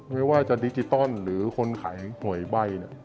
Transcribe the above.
ไม่ว่าจะดิจิตอลหรือคนขายหน่วยใบ้